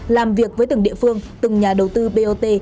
làm việc với từng địa phương từng nhà đầu tư bot